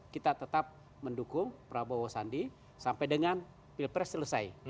kita tetap mendukung prabowo sandi sampai dengan pilpres selesai